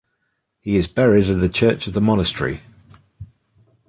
He is buried in the church of the monastery.